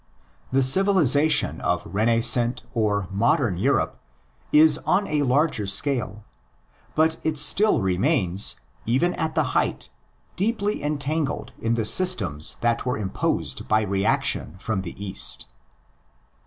The civilisa tion of renascent or modern Europe is on a larger scale, but it still remains, even at the height, deeply entangled in the systems that were imposed by reaction from the East.